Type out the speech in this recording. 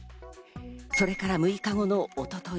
それから６日後の一昨日、